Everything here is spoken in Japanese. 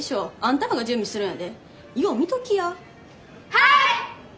はい！